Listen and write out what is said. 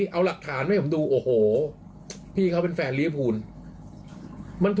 เอาหลักฐานมาให้ผมดูโอ้โหพี่เขาเป็นแฟนลีพูล